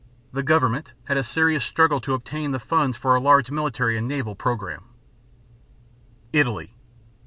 The government had a serious struggle to obtain the funds for a large military and naval program. ITALY.